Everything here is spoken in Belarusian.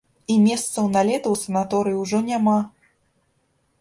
І месцаў на лета ў санаторыі ўжо няма!